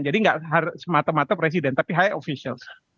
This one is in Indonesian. jadi tidak semata mata presiden tapi high officials